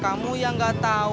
kamu yang gak tau